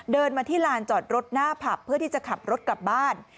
เดินมาที่ลานจอดรถหน้าผับเพื่อที่จะขับรถกลับบ้าน